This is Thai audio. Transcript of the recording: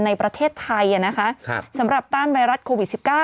ในประเทศไทยสำหรับต้านไวรัสโควิด๑๙